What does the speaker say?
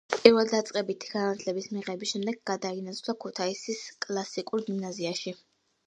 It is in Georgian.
პირველდაწყებითი განათლების მიღების შემდეგ გადაინაცვლა ქუთაისის კლასიკურ გიმნაზიაში.